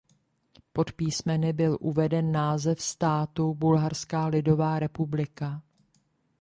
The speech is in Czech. Pod písmeny byl uveden název státu "Bulharská lidová republika".